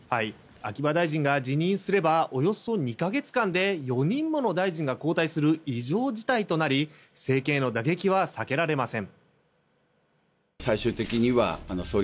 秋葉大臣が辞任すればおよそ２か月間で４人もの大臣が交代する異常事態となり政権への打撃は避けられません。